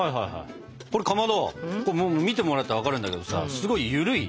これかまど見てもらったら分かるんだけどさすごいゆるい。